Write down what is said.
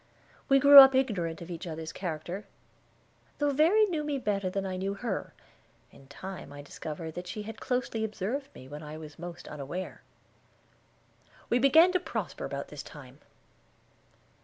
We grew up ignorant of each other's character, though Verry knew me better than I knew her; in time I discovered that she had closely observed me, when I was most unaware. We began to prosper about this time.